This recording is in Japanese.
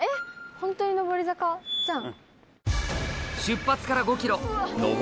本当に上り坂じゃん！